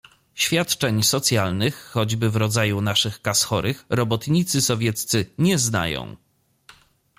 "Świadczeń socjalnych, choćby w rodzaju naszych Kas Chorych, robotnicy sowieccy nie znają."